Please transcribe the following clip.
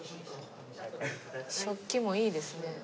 食器もいいですね。